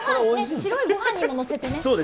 白い御飯にものせてね。